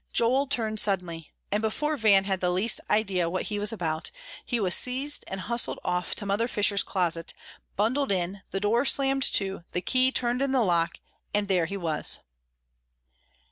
Joel turned suddenly, and before Van had the least idea what he was about, he was seized and hustled off to Mother Fisher's closet, bundled in, the door slammed to, the key turned in the lock, and there he was.